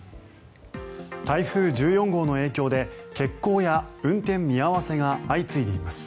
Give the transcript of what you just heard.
台風１４号の影響で欠航や運転見合わせが相次いでいます。